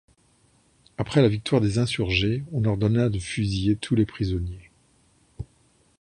Après la victoire des insurgés, on ordonna de fusiller tous les prisonniers.